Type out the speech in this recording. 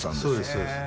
そうです